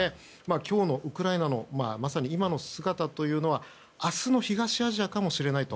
今日のウクライナのまさに今の姿というのは明日の東アジアかもしれないと。